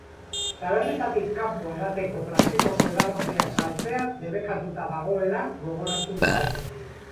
Tabernetatik kanpo edateko plastikozko edalontziak saltzea debekatuta dagoela gogoratu dute.